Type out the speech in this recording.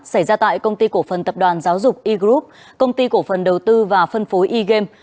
xảy ra tại công ty cổ phần tập đoàn giáo dục e group công ty cổ phần đầu tư và phân phối e game